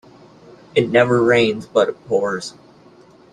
It never rains but it pours.